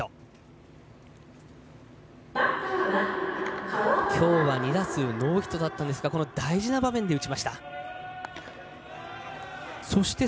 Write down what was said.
中村きょう２打数ノーヒットだったんですが、大事な場面で打ちました。